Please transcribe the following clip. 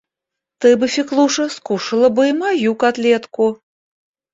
Ты бы, Феклуша, скушала бы и мою котлетку